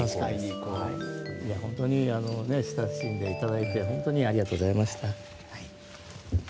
本当に親しんでいただいて本当にありがとうございました。